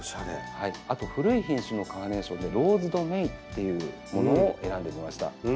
あと古い品種のカーネーションで「ローズドメイ」っていうものを選んでみました。